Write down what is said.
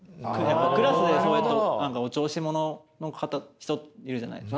クラスでそうやってお調子者の人いるじゃないですか。